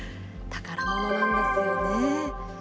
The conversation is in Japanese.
宝物なんですよね。